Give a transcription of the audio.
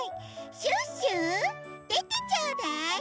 シュッシュでてちょうだい！